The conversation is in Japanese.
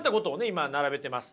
今並べてます。